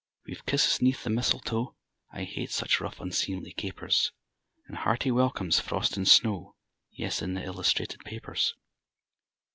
_) We've kisses 'neath the mistletoe (I hate such rough, unseemly capers!) And hearty welcomes, frost and snow; (_Yes, in the illustrated papers.